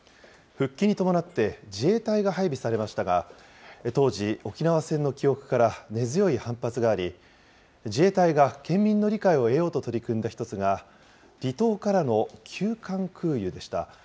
復帰に伴って、自衛隊が配備されましたが、当時、沖縄戦の記憶から根強い反発があり、自衛隊が県民の理解を得ようと取り組んだ一つが、離島からの急患空輸でした。